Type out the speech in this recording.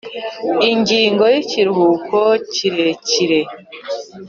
Ingingo Y Ikiruhuko Kirekire